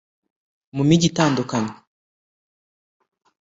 mu mijyi itandukanye